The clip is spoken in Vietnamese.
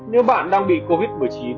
nếu bạn đang bị covid một mươi chín